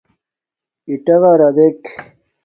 اِٹَغَرݳ دݵک.